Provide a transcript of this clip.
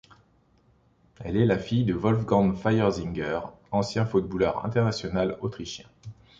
Elle est la fille de Wolfgang Feiersinger, ancien footballeur international autrichien.